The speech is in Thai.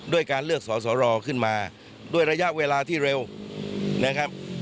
ด้วยการเลือกสอสอรอขึ้นมาด้วยระยะเวลาที่เร็วนะครับ